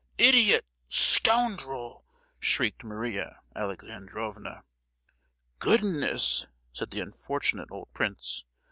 "Idiot! scoundrel!" shrieked Maria Alexandrovna. "Goodness!" said the unfortunate old prince.